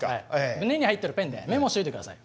胸に入ってるペンでメモしといてください。